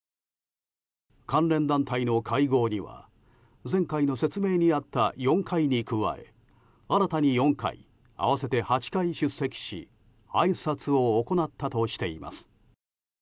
関連団体の会合には前回の説明にあった４回に加え新たに４回、合わせて８回出席しあいさつを行ったとしています。